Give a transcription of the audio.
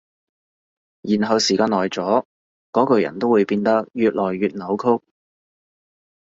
然後時間耐咗，嗰個人都會變得越來越扭曲